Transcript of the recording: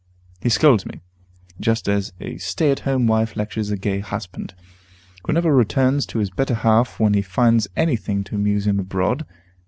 He scolds me, just as a stay at home wife lectures a gay husband, who never returns to his better half when he finds any thing to amuse him abroad.